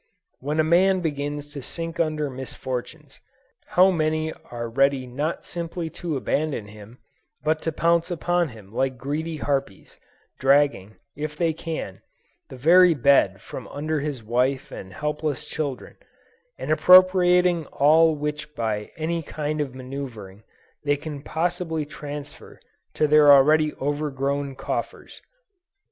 When a man begins to sink under misfortunes, how many are ready not simply to abandon him, but to pounce upon him like greedy harpies, dragging, if they can, the very bed from under his wife and helpless children, and appropriating all which by any kind of maneuvering, they can possibly transfer to their already overgrown coffers!